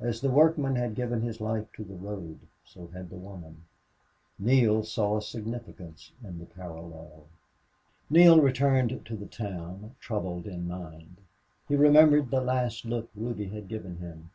As the workman had given his life to the road, so had the woman. Neale saw a significance in the parallel. Neale returned to the town troubled in mind. He remembered the last look Ruby had given him.